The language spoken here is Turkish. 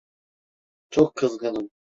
Çok kızgınım.